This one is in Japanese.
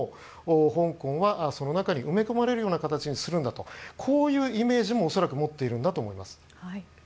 香港はもうその中に埋め込まれるような形にするんだとこういうイメージも恐らく持っているんだと思います。